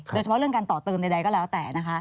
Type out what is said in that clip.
โดยเฉพาะเรื่องการต่อเติมใดก็แล้วแต่นะคะ